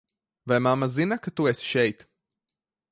Vai mamma zina, ka tu esi šeit?